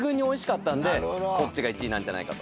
こっちが１位なんじゃないかと。